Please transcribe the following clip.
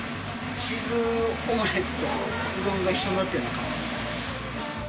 チーズオムレツとカツ丼が一緒になったような感じ。